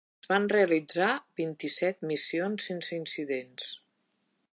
Es van realitzar vint-i-set missions sense incidents.